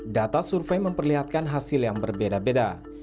data survei memperlihatkan hasil yang berbeda beda